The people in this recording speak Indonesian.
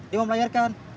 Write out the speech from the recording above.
dia mau melayarkan